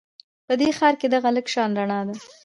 په دې ښار کې دغه لږه شان رڼا ده